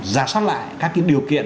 giả soát lại các cái điều kiện